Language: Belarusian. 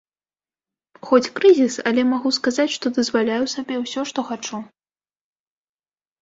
Хоць крызіс, але магу сказаць, што дазваляю сабе ўсё, што хачу.